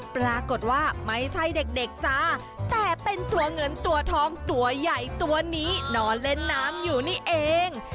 ปรากฏว่าไม่ใช่เด็กจ้าแต่เป็นตัวเงินตัวทองตัวใหญ่ตัวนี้นอนเล่นน้ำอยู่นี่เอง